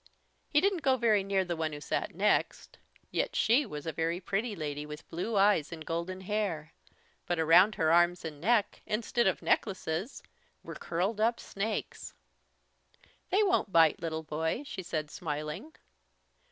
He didn't go very near the one who sat next. Yet she was a very pretty lady with blue eyes and golden hair, but around her arms and neck instead of necklaces were curled up snakes! "They won't bite, little boy," she said smiling.